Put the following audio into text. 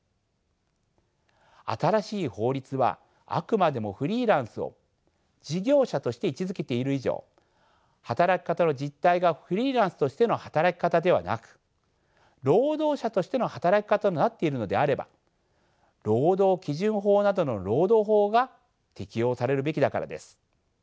新しい法律はあくまでもフリーランスを事業者として位置づけている以上働き方の実態がフリーランスとしての働き方ではなく労働者としての働き方となっているのであれば労働基準法などの労働法が適用されるべきだからです。